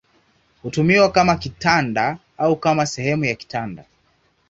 Hutumiwa kama kitanda au kama sehemu ya kitanda.